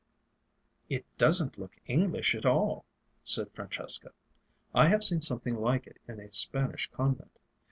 "It doesn't look English at all," said Francesca. "I have seen something like it in a Spanish convent.